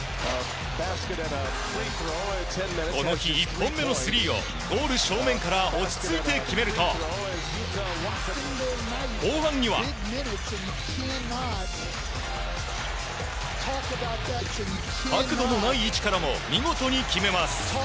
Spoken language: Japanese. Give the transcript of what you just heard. この日、１本目のスリーをゴール正面から落ち着いて決めると後半には。角度のない位置からも見事に決めます。